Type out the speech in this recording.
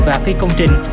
và phi công trình